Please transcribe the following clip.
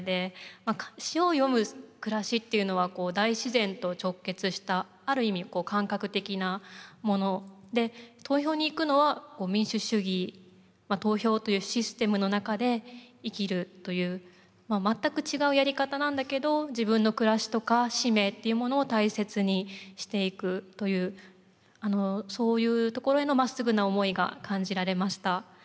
潮を読む暮らしっていうのは大自然と直結したある意味感覚的なもので投票に行くのは民主主義投票というシステムの中で生きるという全く違うやり方なんだけど自分の暮らしとか使命っていうものを大切にしていくというそういうところへのまっすぐな思いが感じられました。